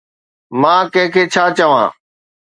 مان ڪنهن کي ڇا چوان؟